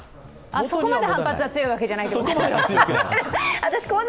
そこまで反発が強いわけじゃないのね。